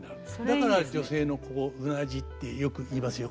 だから女性のここうなじってよく言いますよ